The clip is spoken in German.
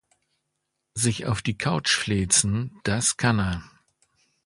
Sich auf die Couch fläzen, das kann er.